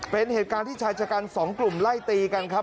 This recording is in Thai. เป็นเหตุการณ์ที่ชายชะกันสองกลุ่มไล่ตีกันครับ